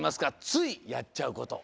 ついやっちゃうこと。